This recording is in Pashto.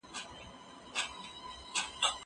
که وخت وي، سبزیجات تياروم؟